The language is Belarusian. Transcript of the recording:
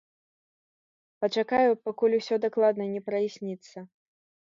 Пачакаю, пакуль усё дакладна не праясніцца.